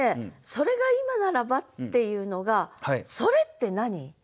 「それが今ならば」っていうのが「それ」って何？